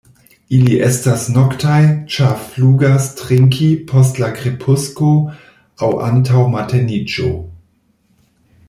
Ili estas noktaj, ĉar flugas trinki post la krepusko aŭ antaŭ mateniĝo.